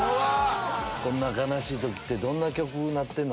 こんな悲しい時ってどんな曲鳴ってるの？